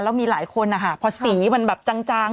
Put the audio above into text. แล้วมีหลายคนนะคะพอสีมันแบบจาง